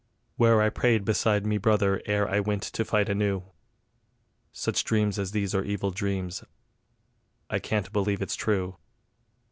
Where I prayed beside me brother ere I wint to fight anew: Such dreams as these are evil dreams; I can't believe it's true.